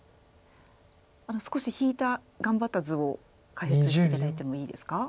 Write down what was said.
少し引いた頑張った図を解説して頂いてもいいですか？